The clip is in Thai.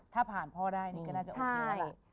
ถ้าผ่านพ่อได้นี่ก็ได้